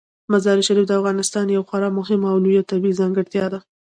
مزارشریف د افغانستان یوه خورا مهمه او لویه طبیعي ځانګړتیا ده.